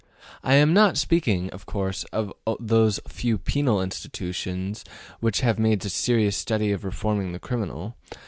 I am not speaking, of course, of those few penal institutions which have made a serious study of reforming the criminal.